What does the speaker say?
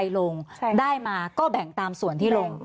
ไปลงใช่ค่ะได้มาก็แบ่งตามส่วนที่ลงแบ่ง